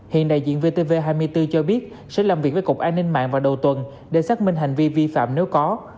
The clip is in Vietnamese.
hiện đại diện vtv hai mươi bốn cho biết sẽ làm việc với cục an ninh mạng vào đầu tuần để xác minh hành vi vi phạm nếu có